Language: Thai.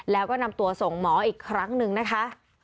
แล้วก็นำตัวส่งหมออีกครั้งหนึ่งนะคะ